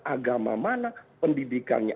agama mana pendidikannya